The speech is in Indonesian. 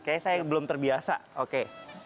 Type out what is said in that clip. kayaknya saya belum terbiasa oke